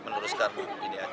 meneruskan ini saja